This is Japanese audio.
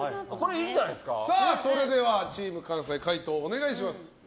それではチーム関西解答をお願いします。